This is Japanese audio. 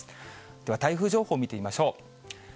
では、台風情報見てみましょう。